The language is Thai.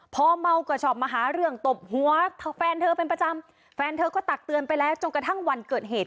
พอเมาก็ชอบมาหาเรื่องตบหัวแฟนเธอเป็นประจำแฟนเธอก็ตักเตือนไปแล้วจนกระทั่งวันเกิดเหตุ